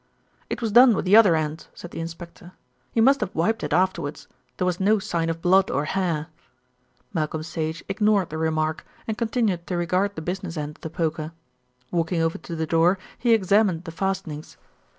"It was done with the other end," said the inspector. "He must have wiped it afterwards. There was no sign of blood or hair." Malcolm Sage ignored the remark, and continued to regard the business end of the poker. Walking over to the door, he examined the fastenings.